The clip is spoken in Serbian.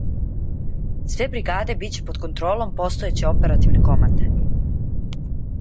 Све бригаде биће под контролом постојеће оперативне команде.